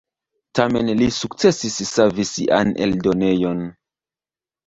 Tamen li sukcesis savi sian eldonejon.